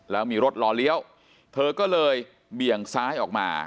แล้วมีรถรอเลี้ยวเธอก็เลยเบี่ยงซ้ายออกมา